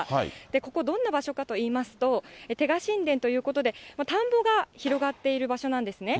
ここ、どんな場所かといいますと、手賀新田ということで、田んぼが広がっている場所なんですね。